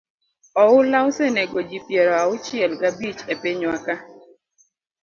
Oula osenego ji piero auchiel gabich e pinywa ka.